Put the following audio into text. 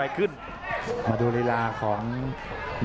อัศวินาศาสตร์